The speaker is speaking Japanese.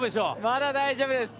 まだ大丈夫です。